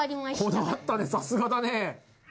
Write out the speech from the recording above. こだわったね、さすがだね。